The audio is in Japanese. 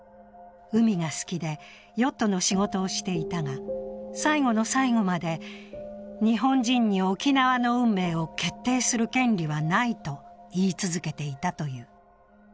海が好きで、ヨットの仕事をしていたが、最後の最後まで、日本人に沖縄の運命を決定する権利はないと言い続けていたという。